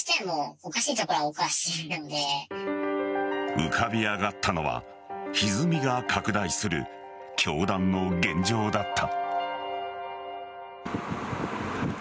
浮かび上がったのはひずみが拡大する教団の現状だった。